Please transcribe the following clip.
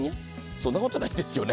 そんなことないですよね。